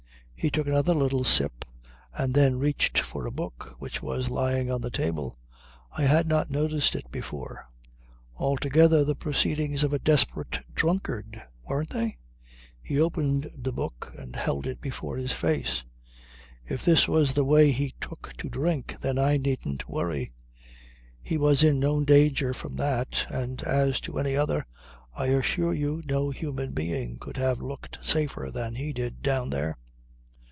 He took another little sip and then reached for a book which was lying on the table. I had not noticed it before. Altogether the proceedings of a desperate drunkard weren't they? He opened the book and held it before his face. If this was the way he took to drink, then I needn't worry. He was in no danger from that, and as to any other, I assure you no human being could have looked safer than he did down there.